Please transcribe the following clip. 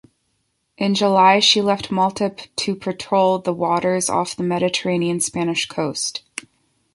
In July, she left Malta to patrol the waters off the Mediterranean Spanish coast.